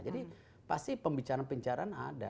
jadi pasti pembicaraan pembicaraan ada